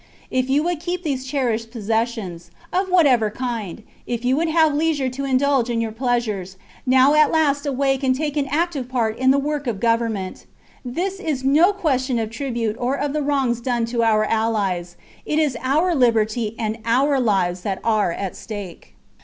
If you would keep these cherished possessions, of whatever kind — if you would have leisure to indulge in your pleasures — now at last awake and take an active part in the work of government. This is no question of tribute or of the wrongs done to our allies ; it is our liberty and our lives that are at stake.